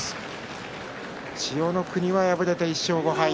千代の国は敗れて１勝５敗。